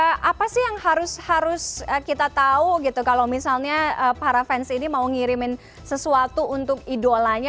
nah apa sih yang harus kita tahu gitu kalau misalnya para fans ini mau ngirimin sesuatu untuk idolanya